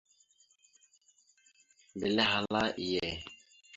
Mbelle ahala: « Iye ».